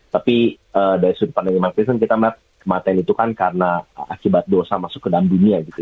tapi dari suatu pandang kematian itu kan karena akibat dosa masuk ke dalam dunia gitu